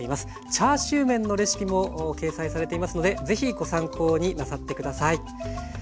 チャーシューメンのレシピも掲載されていますので是非ご参考になさって下さい。